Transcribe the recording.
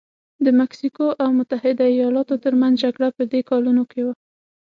د مکسیکو او متحده ایالتونو ترمنځ جګړه په دې کلونو کې وه.